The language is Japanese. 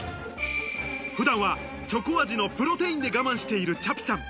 普段はチョコ味のプロテインで我慢しているちゃぴさん。